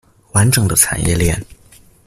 完整的產業鏈